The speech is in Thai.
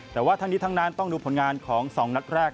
แต่ว่าทั้งนี้ทั้งนั้นต้องดูผลงานของ๒นัดแรก